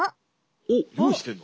おっ用意してる？